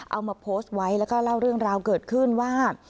เอามาโพสต์ไว้แล้วก็เล่าเรื่องราวเกิดขึ้นว่า